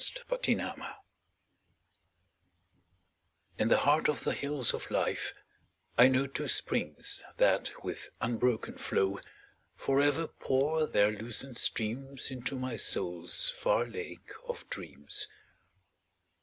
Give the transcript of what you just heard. My Springs In the heart of the Hills of Life, I know Two springs that with unbroken flow Forever pour their lucent streams Into my soul's far Lake of Dreams.